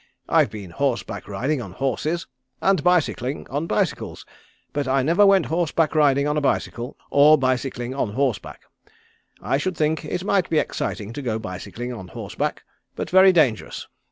I've been horse back riding on horses, and bicycling on bicycles, but I never went horse back riding on a bicycle, or bicycling on horseback. I should think it might be exciting to go bicycling on horse back, but very dangerous.